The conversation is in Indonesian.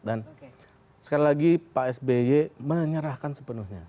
dan sekali lagi pak sby menyerahkan sepenuhnya